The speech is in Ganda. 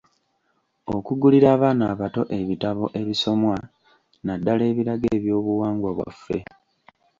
Okugulira abaana abato ebitabo ebisomwa, naddala ebiraga eby'obuwangwa bwaffe.